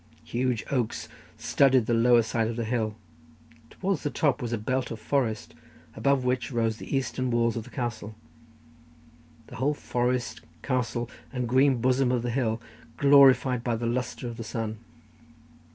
Huge oaks studded the lower side of the hill, towards the top was a belt of forest, above which rose the eastern walls of the castle; the whole forest, castle, and the green bosom of the hill glorified by the lustre of the sun.